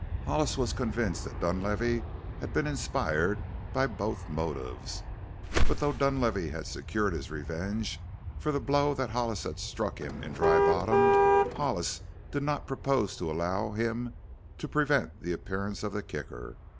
Hollis was convinced that Dunlavey had been inspired by both motives. But though Dunlavey had secured his revenge for the blow that Hollis had struck him in Dry Bottom, Hollis did not purpose to allow him to prevent the appearance of the Kicker.